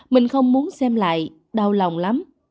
mình không muốn xem lại đau lòng lắm